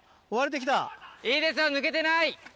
いいですよ抜けてない。